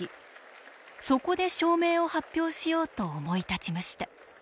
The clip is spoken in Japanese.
そこで証明を発表しようと思い立ちました。